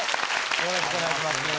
よろしくお願いします。